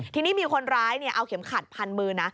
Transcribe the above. ทีนี้มีคนร้ายเอาเข็มขัดพันมือนะ